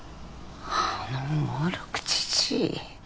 あのもうろくじじい。